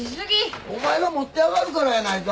お前が持って上がるからやないか。